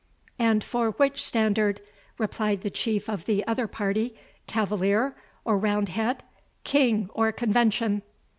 "And for which standard?" replied the chief of the other party "Cavalier or Roundhead, King or Convention?"